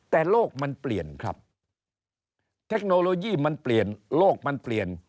แต่โลกมันเปลี่ยนครับเทคโนโลยีมันเปลี่ยนโลกมันเปลี่ยน